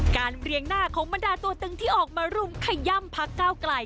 เรียงหน้าของบรรดาตัวตึงที่ออกมารุมขย่ำพักก้าวไกล